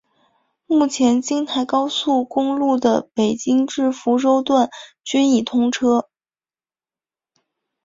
目前京台高速公路的北京至福州段均已通车。